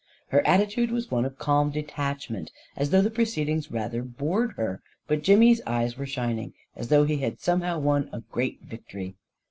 Her attitude was one of calm detachment, as though the proceedings rather bored her ; but Jimmy's eyes were shining as though he had somehow won a great vic tory.